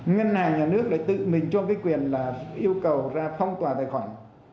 ngân hàng nhà nước lại tự mình cho cái quyền là yêu cầu ra phong tỏa tài khoản